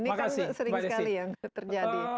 ini kan sering sekali yang terjadi